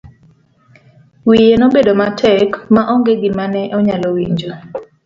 Wiye nobedo matek ma onge gima ne onyalo winjo.